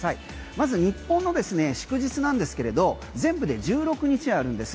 まず日本の祝日なんですけれど全部で１６日あるんです。